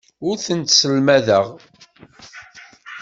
Ur tent-sselmadeɣ.